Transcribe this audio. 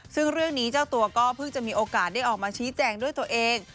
ซึ่งเรื่องนี้เจ้าตัวก็เพิ่งจะมีโอกาสได้ออกมาชี้แจงด้วยตัวเอง